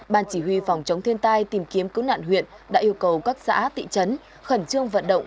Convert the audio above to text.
ban chỉ huy phòng chống thiên tai tìm kiếm cứu nạn huyện đã yêu cầu các xã thị trấn khẩn trương vận động